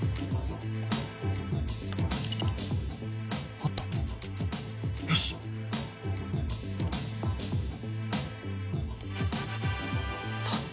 あったよしたった